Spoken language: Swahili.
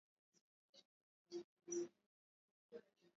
Ugonjwa wa kutupa mimba kwa mbuzi na kondoo